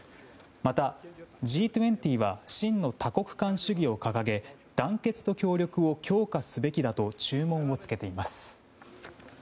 また、Ｇ２０は真の多国間主義を掲げ団結と協力を強化すべきだと注文を付けています。